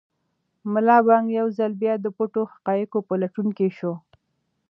ملا بانګ یو ځل بیا د پټو حقایقو په لټون کې شو.